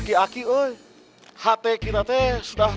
hati kita ini sudah tidak berusaha